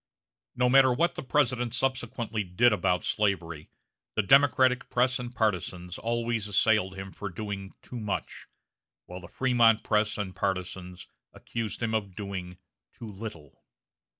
No matter what the President subsequently did about slavery, the Democratic press and partizans always assailed him for doing too much, while the Frémont press and partizans accused him of doing too little.